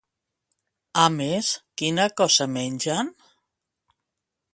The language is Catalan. A més, quina cosa mengen?